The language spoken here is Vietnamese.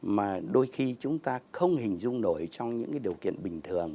mà đôi khi chúng ta không hình dung nổi trong những điều kiện bình thường